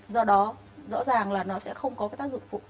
do đó rõ ràng là nó sẽ không có cái tác dụng phụ